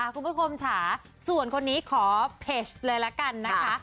คุณผู้ชมค่ะส่วนคนนี้ขอเพจเลยละกันนะคะ